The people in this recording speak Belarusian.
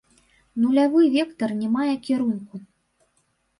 Нулявы вектар не мае кірунку.